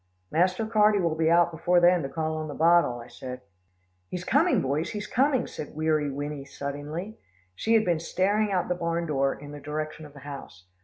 "Master Carty will be out before then to call on the bottle," I said. "He's coming, boys, he's coming," said Weary Winnie suddenly. She had been staring out the barn door in the direction of the house.